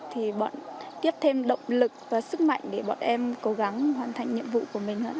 thì bọn tiếp thêm động lực và sức mạnh để bọn em cố gắng hoàn thành nhiệm vụ của mình